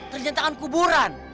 ternyata kan kuburan